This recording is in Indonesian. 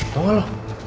tau gak lo